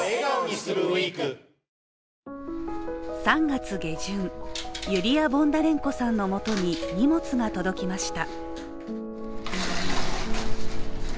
３月下旬、ユリヤ・ボンダレンコさんのもとに荷物が届きました。